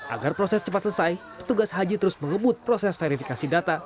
agar proses cepat selesai petugas haji terus mengebut proses verifikasi data